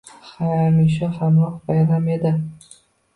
Hamisha hamroh bayram edi.